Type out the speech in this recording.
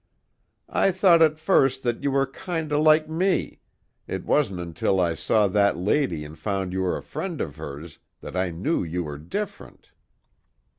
"I thought at first that you were kinder like me; it wasn't until I saw that lady an' found you were a friend of hers, that I knew you were different."